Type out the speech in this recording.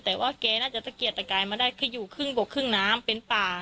แต่ว่าแกน่าจะตะเกียดตะกายมาได้แค่อยู่ครึ่งบกครึ่งน้ำเป็นป่า